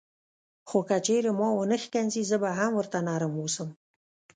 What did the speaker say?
خو که چیرې ما ونه ښکنځي زه به هم ورته نرم اوسم.